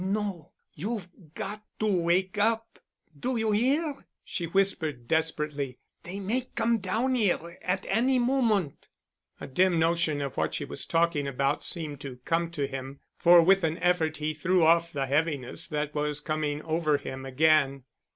"No. You've got to wake up. Do you hear?" she whispered desperately. "They may come down 'ere at any moment." A dim notion of what she was talking about seemed to come to him, for with an effort he threw off the heaviness that was coming over him again.